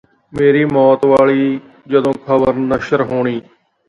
ਮੇਰੀ ਮੌਤ ਵਾਲੀ ਜਦੋਂ ਖਬਰ ਨਸ਼ਰ ਹੋਣੀਂ